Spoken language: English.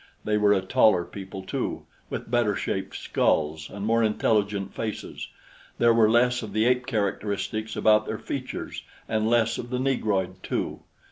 They were a taller people, too, with better shaped skulls and more intelligent faces. There were less of the ape characteristics about their features, and less of the negroid, too.